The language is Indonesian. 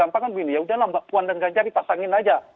pak puan dan ganjar dipasangin saja